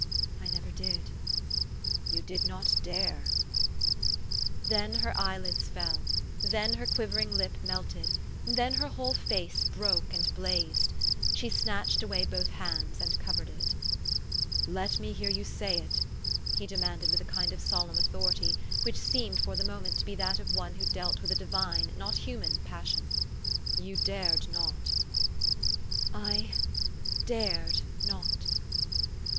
"1 never did." " You did not dare !" Then her eyelids fell ; then her quivering lip THE STORY OF AVIS. 183 melted ; then her whole face broke and blazed. She snatched away both hands, and covered it. " Let me hear you say it," he demanded with a kind of solemn authority which seemed, for the moment, to be that of one who dealt with a divine, not a human, passion. " You dared not !" "I dared not."